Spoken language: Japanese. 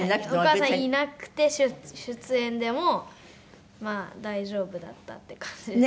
お母さんいなくて出演でもまあ大丈夫だったって感じです。